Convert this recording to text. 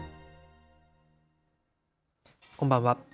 こんばんは。